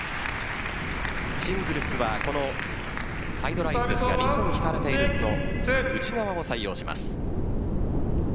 シングルスはサイドラインですが２本引かれているうちの内側を採用します。